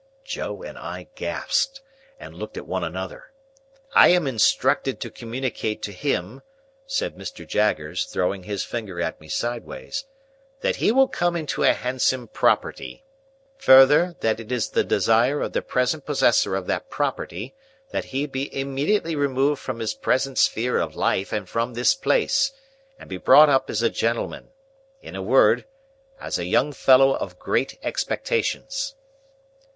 Joe and I gasped, and looked at one another. "I am instructed to communicate to him," said Mr. Jaggers, throwing his finger at me sideways, "that he will come into a handsome property. Further, that it is the desire of the present possessor of that property, that he be immediately removed from his present sphere of life and from this place, and be brought up as a gentleman,—in a word, as a young fellow of great expectations."